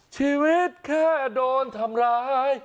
ชีวิตแค่โดนทำร้าย